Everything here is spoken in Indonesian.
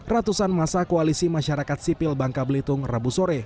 ratusan masa koalisi masyarakat sipil bangka belitung rabu sore